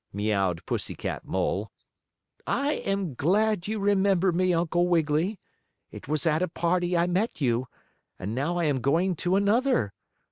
meowed Pussy Cat Mole. "I am glad you remember me, Uncle Wiggily. It was at a party I met you, and now I am going to another.